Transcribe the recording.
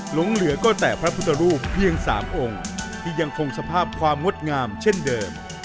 หลงเหลือก็แต่พระพุทธรูปเพียง๓องค์ที่ยังคงสภาพความงดงามเช่นเดิม